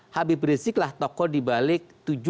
habib riziklah tokoh dibalik